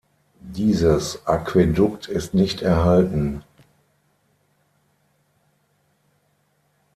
Dieses Aquädukt ist nicht erhalten.